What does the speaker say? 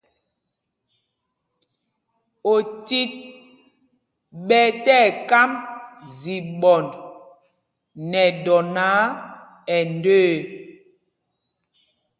Otit ɓɛ tí ɛkámb ziɓɔnd nɛ dɔ náǎ, ɛ ndəə.